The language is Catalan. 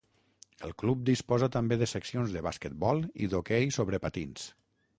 El club disposa també de seccions de basquetbol i d'hoquei sobre patins.